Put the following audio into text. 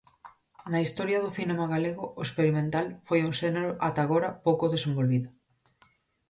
Na historia do cinema galego o experimental foi un xénero ata agora pouco desenvolvido.